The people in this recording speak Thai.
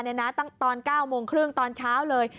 ตอน๙โมงครึ่งตอนเช้าเลย